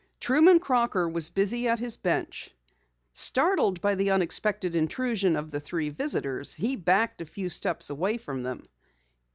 Truman Crocker was busy at his bench. Startled by the unexpected intrusion of the three visitors, he backed a few steps away from them.